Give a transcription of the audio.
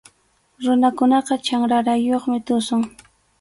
Runakunaqa chanrarayuqmi tusun.